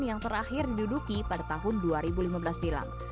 yang terakhir diduduki pada tahun dua ribu lima belas silam